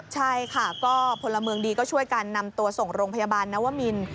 ใช่ค่ะก็พลเมืองดีก็ช่วยกันนำตัวส่งโรงพยาบาลนวมิน